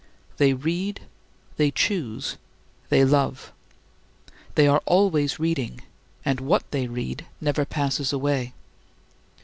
They read, they choose, they love. They are always reading, and what they read never passes away.